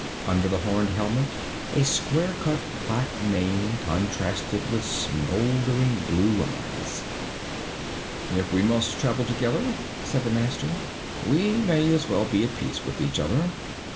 Under the horned helmet a square cut black mane contrasted with smoldering blue eyes. 'If we must travel together,' said the master, 'we may as well be at peace with each other.